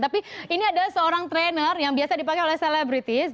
tapi ini adalah seorang trainer yang biasa dipakai oleh selebritis